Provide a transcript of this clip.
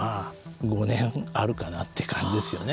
５年あるかなという感じですよね。